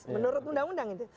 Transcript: menurut undang undang itu